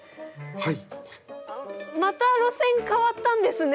はい。